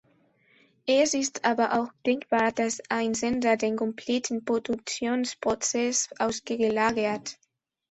Es ist aber auch denkbar, dass ein Sender den kompletten Produktionsprozess ausgelagert.